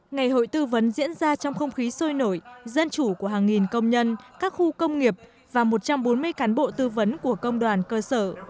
ngày hội tư vấn diễn ra trong không khí sôi nổi dân chủ của hàng nghìn công nhân các khu công nghiệp và một trăm bốn mươi cán bộ tư vấn của công đoàn cơ sở